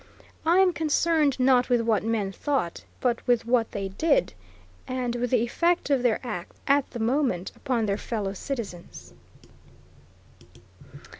I am concerned not with what men thought, but with what they did, and with the effect of their acts at the moment, upon their fellow citizens.